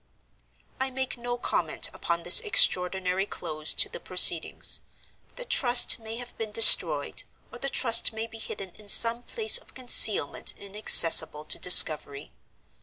"I make no comment upon this extraordinary close to the proceedings. The Trust may have been destroyed, or the Trust may be hidden in some place of concealment inaccessible to discovery.